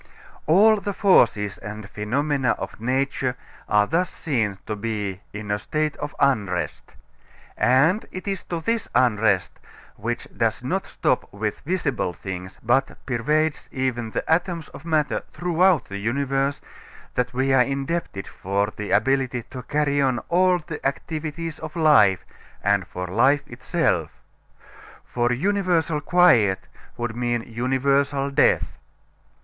All the forces and phenomena of nature are thus seen to be in a state of unrest. And it is to this unrest, which does not stop with visible things, but pervades even the atoms of matter throughout the universe, that we are indebted for the ability to carry on all the activities of life, and for life itself. For universal quiet would mean universal death.